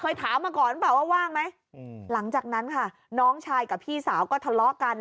ถามมาก่อนหรือเปล่าว่าว่างไหมหลังจากนั้นค่ะน้องชายกับพี่สาวก็ทะเลาะกัน